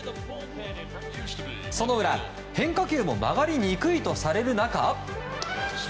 その裏、変化球も曲がりにくいとされる中。